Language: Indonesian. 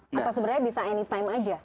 apa sebenarnya bisa anytime aja